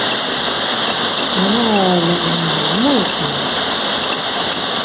Nanaa lailahe mu iqu?